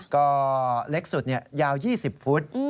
ก็เล็กสุดเนี่ยยาว๒๐ฟุต